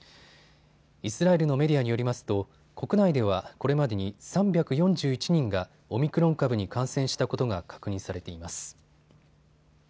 イスラエルのメディアによりますと国内ではこれまでに３４１人がオミクロン株に感染したことが確認されています。